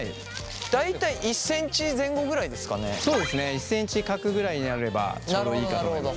１センチ角ぐらいになればちょうどいいかと思います。